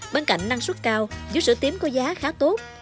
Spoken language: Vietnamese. bên cạnh năng suất cao vú sữa tím có giá khá tốt